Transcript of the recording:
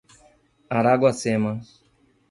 Araguacema